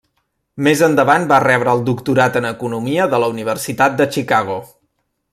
Més endavant va rebre el doctorat en economia de la Universitat de Chicago.